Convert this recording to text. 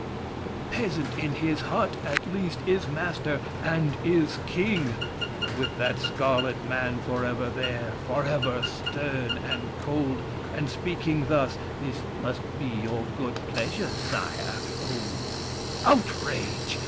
The peasant in His hut, at least, is master and is king; But with that scarlet man forever there, Forever stern and cold, and speaking thus, "This must be your good pleasure, sire!" Oh, outrage!